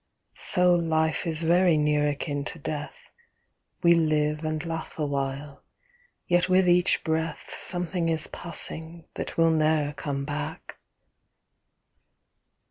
So Life is very near akin to Death, We live and laugh awhile, yet with each breath Something is passing, that will ne'er come back.